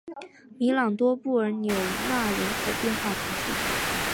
米朗多布尔纽纳人口变化图示